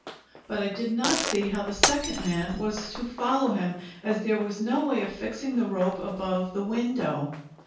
But I did not see how the second man was to follow him, as there was no way of fixing the rope above the window.